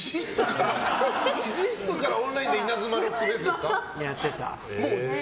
知事室からオンラインでイナズマロックフェスですか！